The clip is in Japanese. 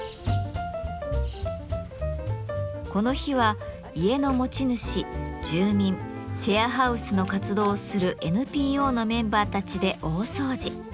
この日は家の持ち主住民シェアハウスの活動をするＮＰＯのメンバーたちで大掃除。